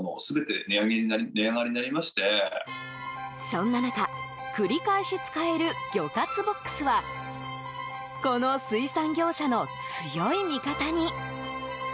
そんな中繰り返し使える魚活ボックスはこの水産業者の強い味方に。